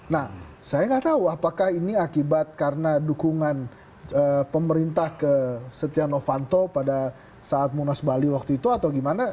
nah saya nggak tahu apakah ini akibat karena dukungan pemerintah ke setia novanto pada saat munas bali waktu itu atau gimana